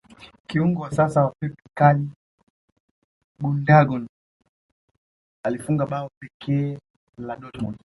kiungo wa sasa wa pep ikaly gundagon alifunga bao pekee la dortmond